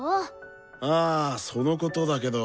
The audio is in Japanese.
あそのことだけど。